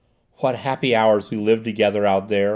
"What happy hours we lived together out there!"